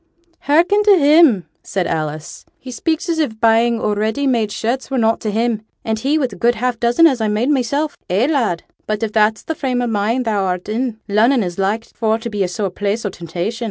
'Hearken to him!' said Alice. 'He speaks as if buying o' ready made shirts were nought to him, and he wi' a good half dozen as I made mysel'. Eh, lad? but if that's the frame o' mind thou'rt in, Lunnon is like for to be a sore place o' temptation.